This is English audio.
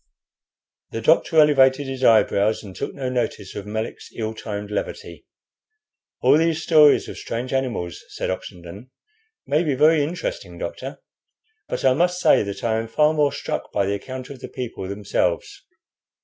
The doctor elevated his eyebrows, and took no notice of Melick's ill timed levity. "All these stories of strange animals," said Oxenden, "may be very interesting, doctor, but I must say that I am far more struck by the account of the people themselves.